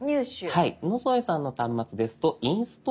野添さんの端末ですと「インストール」。